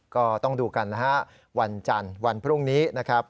ก็ต้องดูกันนะฮะวันจันทร์วันพรุ่งนี้นะครับ